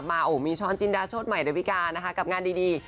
โอ้มีช้อนจินดาโชธใหม่ดาวิกานะคะกับงานดี